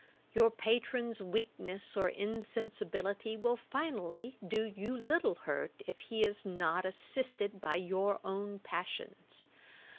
Your Patron's weakness or insensibility will finally do you little hurt, if he is not assisted by your own passions.